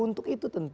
untuk itu tentu